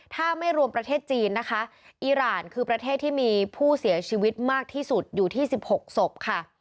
ถ้าไม่รวมประเทศจีนนะคะอีรานคือประเทศที่มีผู้เสียชีวิตมากที่สุดอยู่ที่๑๖ศพค่ะ